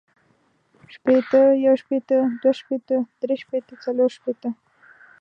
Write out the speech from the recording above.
شپیته، یو شپیته، دوه شپیته، درې شپیته، څلور شپیته